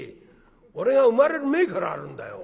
俺が生まれる前からあるんだよ。